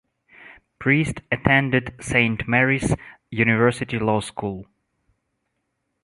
Priest attended Saint Mary's University Law School.